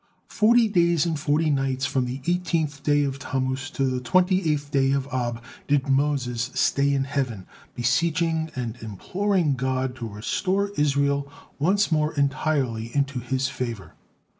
Forty days and forty nights, from the eighteenth day of Tammus to the twenty eight day of Ab, did Moses stay in heaven, beseeching and imploring God to restore Israel once more entirely into His favor.